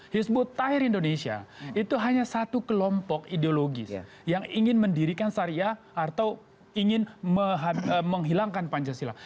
hizbut tahir indonesia itu hanya satu kelompok ideologis yang ingin mendirikan syariah atau ingin menghilangkan pancasila